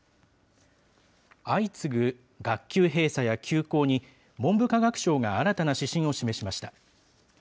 相次ぐ学級閉鎖や休校に、文部科学省が新たな指針を示しました。